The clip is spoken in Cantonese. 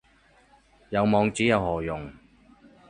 有網址有何用